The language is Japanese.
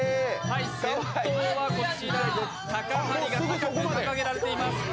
先頭は高はりが高く掲げられています。